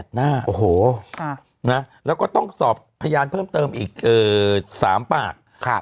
โอ้โหนะแล้วก็ต้องสอบพยานเพิ่มเติมอีก๓ปาก